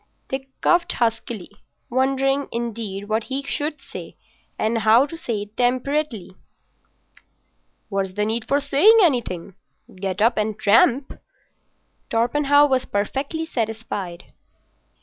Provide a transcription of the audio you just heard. Dick coughed huskily, wondering, indeed, what he should say, and how to say it temperately. "What's the need for saying anything? Get up and tramp." Torpenhow was perfectly satisfied.